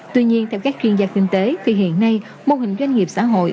tuy nhiên theo các chuyên gia kinh tế thì hiện nay mô hình doanh nghiệp xã hội